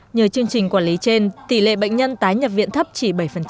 nhờ chương trình quản lý trên tỷ lệ bệnh nhân tái nhập viện thấp chỉ bảy